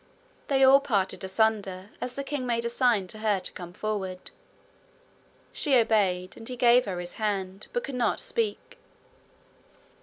They all parted asunder as the king made a sign to her to come forward. She obeyed, and he gave her his hand, but could not speak.